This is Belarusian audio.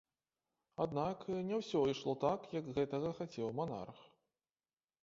Аднак, не ўсё ішло так, як гэтага хацеў манарх.